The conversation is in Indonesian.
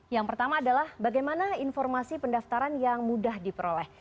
yang pertama adalah bagaimana informasi pendaftaran yang mudah diperoleh